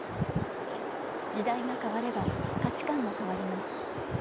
時代が変われば価値観も変わります。